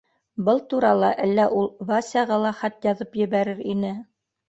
Был турала әллә ул Васяға ла хат яҙып ебәрер ине.